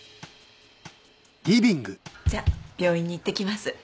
じゃ病院に行ってきます。